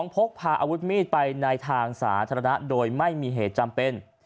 พกพาอาวุธมีดไปในทางสาธารณะโดยไม่มีเหตุจำเป็น